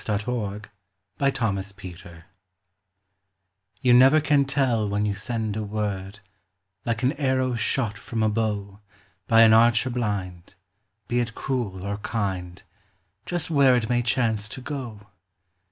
YOU NEVER CAN TELL You never can tell when you send a word, Like an arrow shot from a bow By an archer blind, be it cruel or kind, Just where it may chance to go!